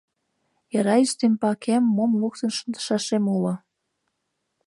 Яра ӱстембакем мом луктын шындышашем уло».